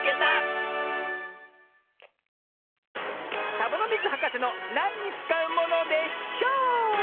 サボノミズはかせの「なんにつかうものでショー」！